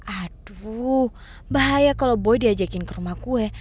aduh bahaya kalau boy diajakin ke rumah gue